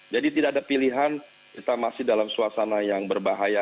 jadi tidak ada pilihan kita masih dalam suasana yang berbahaya